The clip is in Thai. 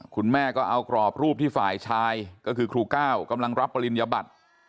คุณแม่ก็เอากรอบรูปที่ฝ่ายชายก็คือครูก้าวกำลังรับปริญญบัติ